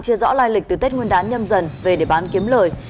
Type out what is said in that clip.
chưa rõ lai lịch từ tết nguyên đán nhâm dần về để bán kiếm lời